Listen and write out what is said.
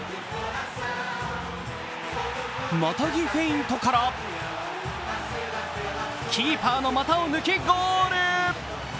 またぎフェイントからキーパーの股を抜きゴール。